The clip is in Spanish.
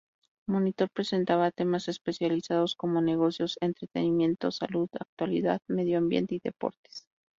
Monitor presentaba temas especializados como Negocios, Entretenimiento, Salud, Actualidad, Medio Ambiente y Deportes.